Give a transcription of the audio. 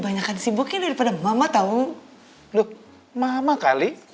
banyak sibuknya daripada mama tahu lho mama kali